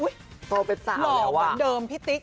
โหนอกเดิมบันทึก